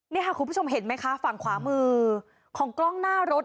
นี่ค่ะคุณผู้ชมเห็นไหมคะฝั่งขวามือของกล้องหน้ารถ